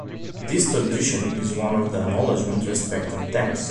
This tradition is one of acknowledgment, respect, and thanks.